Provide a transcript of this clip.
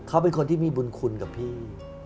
เขาเป็นคนที่มีบุญคุณกับพี่